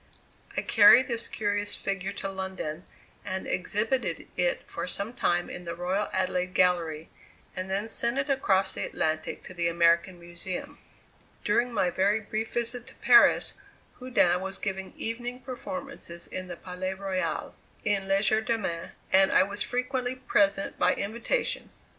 I carried this curious figure to London and exhibited it for some time in the Royal Adelaide Gallery, and then sent it across the Atlantic to the American Museum. During my very brief visit to Paris, Houdin was giving evening performances in the Palais Royale, in legerdemain, and I was frequently present by invitation.